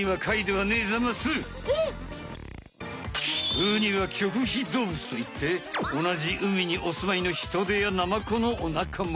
ウニは棘皮動物といっておなじ海におすまいのヒトデやナマコのおなかま。